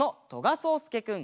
そうすけくん。